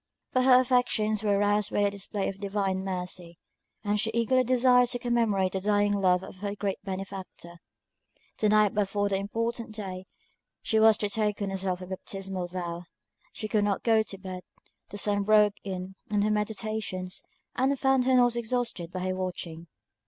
But her affections were roused by the display of divine mercy; and she eagerly desired to commemorate the dying love of her great benefactor. The night before the important day, when she was to take on herself her baptismal vow, she could not go to bed; the sun broke in on her meditations, and found her not exhausted by her watching.